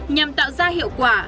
nhằm tạo ra hiệu quả